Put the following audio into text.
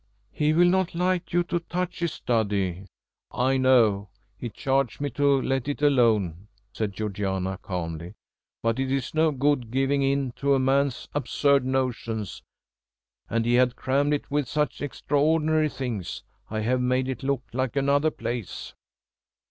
"He will not like you to touch his study." "I know. He charged me to let it alone," said Georgiana calmly; "but it is no good giving in to a man's absurd notions, and he had crammed it with such extraordinary things. I have made it look like another place."